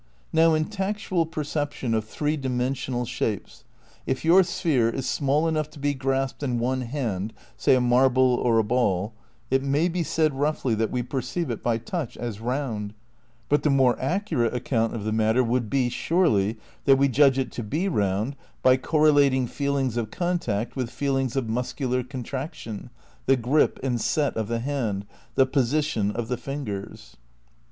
Now in tactual perception of three dimensional shapes, if your sphere is small enough to be grasped in one hand (say, a marble or a ball) it may be said roughly that we perceive it by touch as round ; but the more accurate account of the matter would be, surely, that we judge it be round by correlating feelings of contact with feelings of muscular contraction, the grip and set of the hand, the position of the fingers.